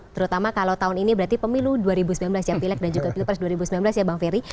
terutama kalau tahun ini berarti pemilu dua ribu sembilan belas ya pilek dan juga pilpres dua ribu sembilan belas ya bang ferry